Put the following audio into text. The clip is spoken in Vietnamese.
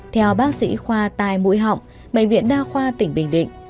theo bác sĩ khoa tai mũi họng bệnh viện đa khoa tỉnh bình định